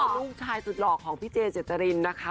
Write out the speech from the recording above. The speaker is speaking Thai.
ลูกชายสุดหล่อของพี่เจเจตรินนะคะ